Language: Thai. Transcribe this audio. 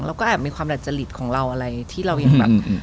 แอบมีความดัจจริตของเราอะไรที่เรายังแบบ